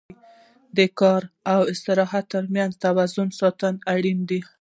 د کار او استراحت تر منځ توازن ساتل اړین دي.